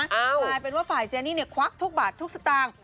กลายเป็นว่าฝ่ายเจนี่เนี่ยควักทุกบาททุกสตางค์